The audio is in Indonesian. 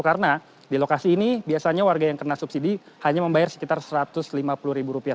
karena di lokasi ini biasanya warga yang kena subsidi hanya membayar sekitar satu ratus lima puluh ribu rupiah